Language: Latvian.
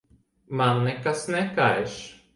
Man nekas nekaiš.